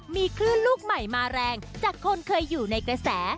มีคลื่นลูกใหม่มาแรงจากคนเคยอยู่ในกระแส